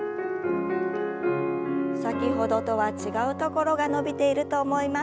先ほどとは違うところが伸びていると思います。